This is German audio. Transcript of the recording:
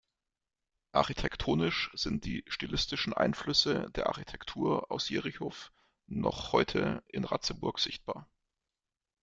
Architektonisch sind die stilistischen Einflüsse der Architektur aus Jerichow noch heute in Ratzeburg sichtbar.